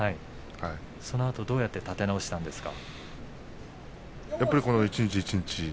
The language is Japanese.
そのあとどうやって立て直しましたか。